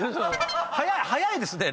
早い早いですね。